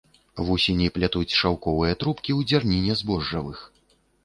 Вусені плятуць шаўковыя трубкі ў дзярніне збожжавых.